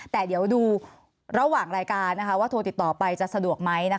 แต่เดี๋ยวดูระหว่างรายการว่าโทรติดต่อไปจะสะดวกไหม